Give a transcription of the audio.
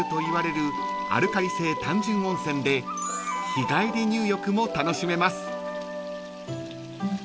［日帰り入浴も楽しめます］